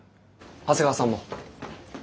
長谷川さんも。